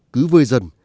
cứ vơi dần